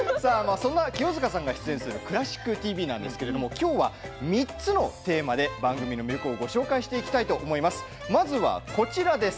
そんな清塚さんが出演する「クラシックＴＶ」なんですがきょうは３つのテーマで番組の魅力をご紹介していきたいと思います。